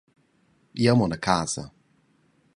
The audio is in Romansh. Jeu mon a casa.